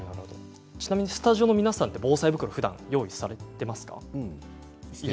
ちなみにスタジオの皆さん防災袋は用意されていますか？